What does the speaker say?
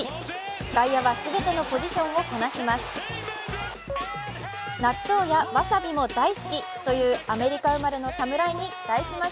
外野は全てのポジションをこなします。